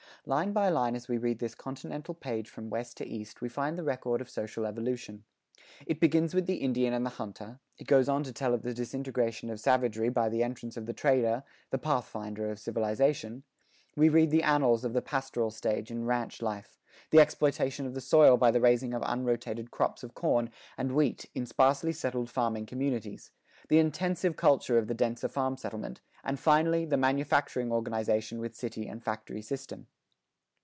Line by line as we read this continental page from West to East we find the record of social evolution. It begins with the Indian and the hunter; it goes on to tell of the disintegration of savagery by the entrance of the trader, the pathfinder of civilization; we read the annals of the pastoral stage in ranch life; the exploitation of the soil by the raising of unrotated crops of corn and wheat in sparsely settled farming communities; the intensive culture of the denser farm settlement; and finally the manufacturing organization with city and factory system.